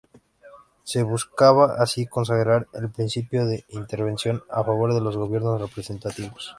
Se buscaba así consagrar el principio de intervención a favor de los gobiernos representativos.